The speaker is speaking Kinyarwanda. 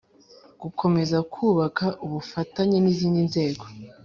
Gukomeza kubaka ubufatanye n izindi nzego